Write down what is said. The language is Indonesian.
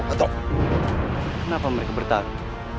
kenapa mereka bertarung